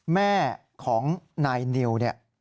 แม่ของนายนิวเนี่ย